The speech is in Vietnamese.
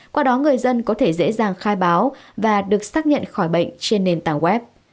qua đó người dân có thể dễ dàng khai báo và được xác nhận khỏi bệnh trên nền tảng web